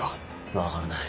分からない。